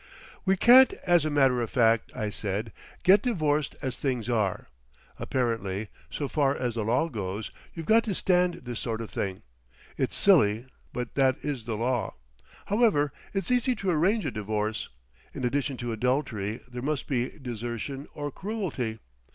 "We can't as a matter of fact," I said, "get divorced as things are. Apparently, so far as the law goes you've got to stand this sort of thing. It's silly but that is the law. However, it's easy to arrange a divorce. In addition to adultery there must be desertion or cruelty.